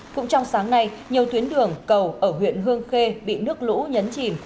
cũng trong sáng nay nhiều tuyến đường cầu ở huyện hương khê bị nước lũ nhấn chìm